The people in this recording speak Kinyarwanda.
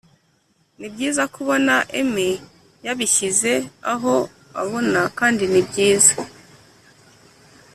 Ni byiza kubona emmy yabishyize aho abona kandi nibyiza